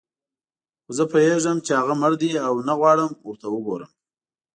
خو زه پوهېږم چې هغه مړ دی او نه غواړم ورته وګورم.